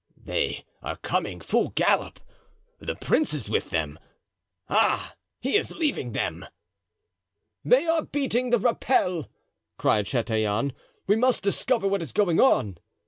"They are coming, full gallop; the prince is with them—ah! he is leaving them!" "They are beating the rappel!" cried Chatillon; "we must discover what is going on."